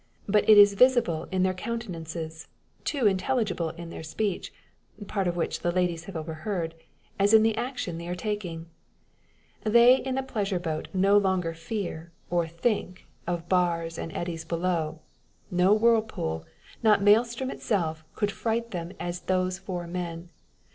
But it is visible in their countenances, too intelligible in their speech part of which the ladies have overheard as in the action they are taking. They in the pleasure boat no longer fear, or think of, bars and eddies below. No whirlpool not Maelstrom itself, could fright them as those four men.